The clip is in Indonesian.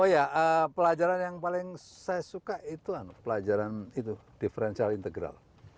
oh ya pelajaran yang paling saya suka itu pelajaran itu differential integral